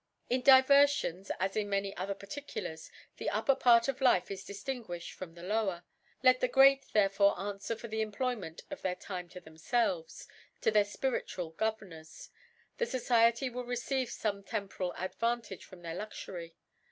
In Diverfion, as in many other Particu lars, the upper Part of Life is dtftinguifiied from the Lower. Let the Great therefore anfwer for the Employment of their Time, to /( i8 ) to themfelVes, or to their fpiricaal Gover nors. The Society will receive fome tem poral Advantage from their Luxury.